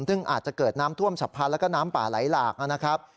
ซึ่งอาจจะเกิดน้ำท่วมฉับพันธ์แล้วก็น้ำป่าไหลหลากนะครับ